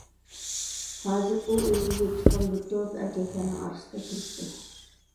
ھازىر ئۇ ئۆزىگە يېپىشقان بىر توپ ئەركەكلەرنىڭ ئارىسىدا تۇرۇپتۇ.